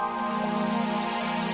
tante kita harus berhenti